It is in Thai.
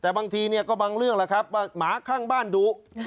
แต่บางทีเนี่ยก็บางเรื่องแหละครับว่าหมาข้างบ้านดุ